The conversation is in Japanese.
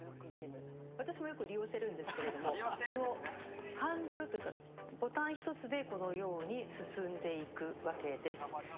私もよく利用してるんですけども、ハンドルというか、ボタン１つでこのように進んでいくわけです。